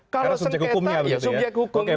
karena subjek hukumnya